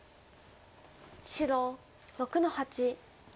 白６の八。